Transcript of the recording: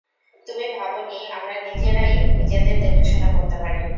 তুমি ভাবোনি আমরা নিজেরাই নিজেদের দেখাশোনা করতে পারি।